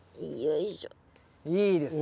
いいですね。